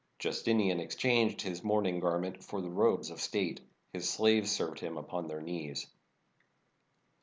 Justinian exchanged his morning garment for the robes of state. His slaves served him upon their knees.